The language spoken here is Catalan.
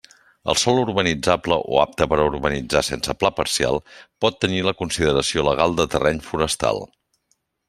El sòl urbanitzable o apte per a urbanitzar sense pla parcial pot tenir la consideració legal de terreny forestal.